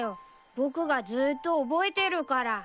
僕がずーっと覚えてるから。